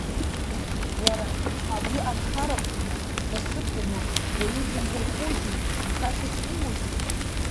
Уара, абри анхарахума, насыԥума, ауаҩы дынзырхозеи, нхашьас иамоузеи?